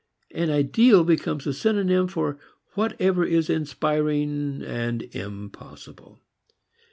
An ideal becomes a synonym for whatever is inspiring and impossible.